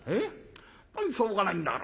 本当にしょうがないんだから。